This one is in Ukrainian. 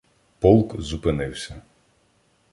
Полк зупинився.